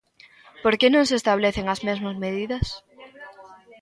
¿Por que non se establecen as mesmas medidas?